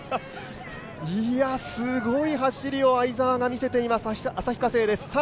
いや、すごい走りを相澤が見せています。